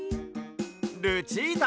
ルチータ。